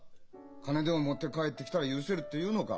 金でも持って帰ってきたら許せるっていうのか？